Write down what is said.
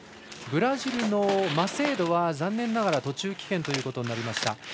ブラジルのマセードは残念ながら途中棄権ということになりました。